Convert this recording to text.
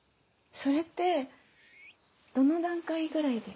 それってどの段階ぐらいで？